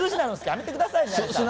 やめてください。